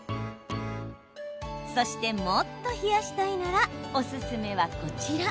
そして、もっと冷やしたいならおすすめはこちら。